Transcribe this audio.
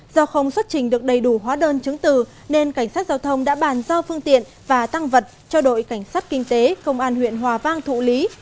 do không xuất trình được đầy đủ hóa đơn chứng từ nên cảnh sát giao thông đã bàn giao phương tiện và tăng vật cho đội cảnh sát kinh tế công an huyện hòa vang thụ lý